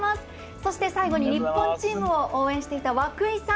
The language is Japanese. そして、最後に日本チームを応援していた、涌井さん